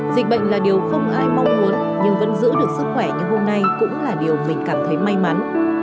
dịch bệnh là điều không ai mong muốn nhưng vẫn giữ được sức khỏe như hôm nay cũng là điều mình cảm thấy may mắn